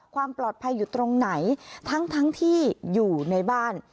ความปลอดภัยอยู่ตรงไหนทั้งที่อยู่ในบ้าน